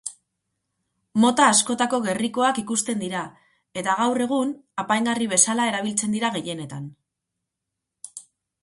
Mota askotako gerrikoak ikusten dira eta gaur egun apaingarri bezala erabiltzen dira gehienetan.